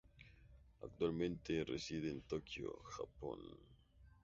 Actualmente reside en Tokio, Japón.